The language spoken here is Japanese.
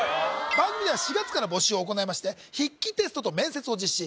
番組では４月から募集を行いまして筆記テストと面接を実施